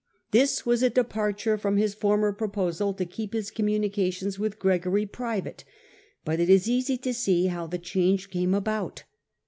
This was a departure from his former proposal to keep his communications with Gregory private; but it is easy to see how the change came about.